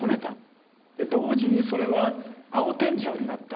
同時にそれは青天井になった。